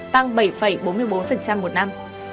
tăng bảy bốn mươi bốn một năm